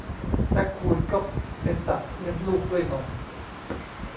แรคคูนก็เป็นสัตว์เลี้ยงลูกด้วยนม